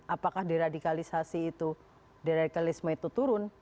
apakah deradikalisasi itu deradikalisme itu turun